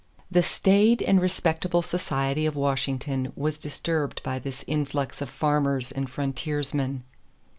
= The staid and respectable society of Washington was disturbed by this influx of farmers and frontiersmen.